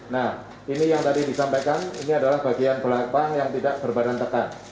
nah ini yang tadi disampaikan ini adalah bagian belakang yang tidak berbadan tekan